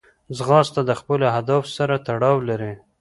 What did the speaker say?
ځغاسته د خپلو اهدافو سره تړاو لري